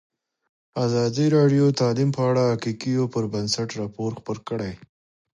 ازادي راډیو د تعلیم په اړه د حقایقو پر بنسټ راپور خپور کړی.